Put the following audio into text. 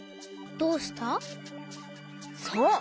そう！